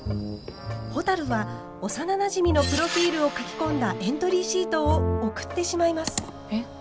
ほたるは幼なじみのプロフィールを書き込んだエントリーシートを送ってしまいます。